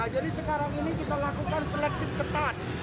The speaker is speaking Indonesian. jadi sekarang ini kita lakukan selektif ketat